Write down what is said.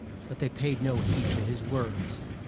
But they paid no heed to his words.